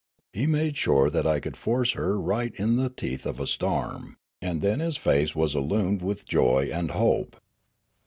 He made sure that I could force her right in the teeth of a storm, and then his face was illumined with joy and hope.